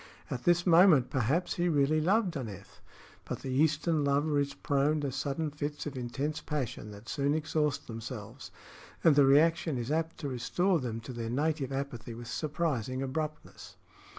At this moment perhaps he really loved Aneth; but the Eastern lover is prone to sudden fits of intense passion that soon exhaust themselves, and the reaction is apt to restore them to their native apathy with surprising abruptness.